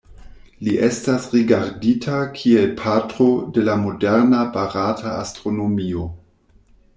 Li estas rigardita kiel "Patro de la moderna barata astronomio".